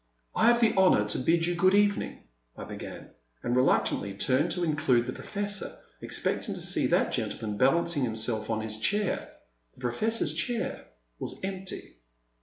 I have the honour to bid you good evening, I began, and reluctantly turned to include the Professor, expecting to see that gentleman balanc ing himself on his chair. The Professor* s chair was empty.